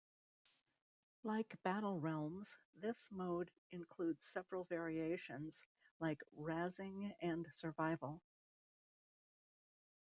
Like "Battle Realms", this mode includes several variations like Razing and Survival.